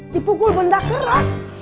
dipukul benda keras